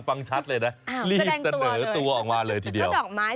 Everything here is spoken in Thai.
บางชาติเลยเหนะรีบเสนอตัวดอกไม้ออกมาเลยทีเดียว